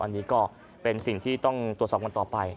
อันนี้ก็เป็นสิ่งที่ต้องตรวจสอบกันต่อไป